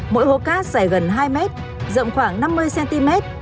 mỗi hố cát dài gần hai mét rộng khoảng năm mươi cm